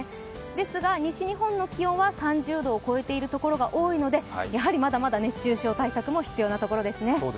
ですが、西日本の気温は３０度を超えているところが多いのでやはり、まだまだ熱中症対策も必要なところですね。